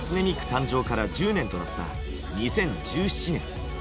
誕生から１０年となった２０１７年。